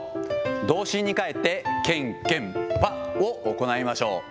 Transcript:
童心に帰って、けんけんぱを行いましょう。